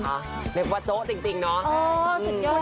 เหนือวัดโจ๊ะจริงเนาะ